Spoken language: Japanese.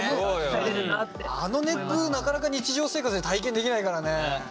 なかなか日常生活じゃ体験できないからね。